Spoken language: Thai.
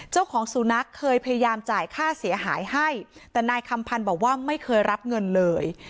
เจ้าของสุนัขเคยพยายามจ่ายค่าเสียหายให้แต่นายคำพันธ์บอกว่าไม่เคยรับเงินเลย